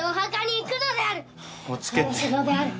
行くのである！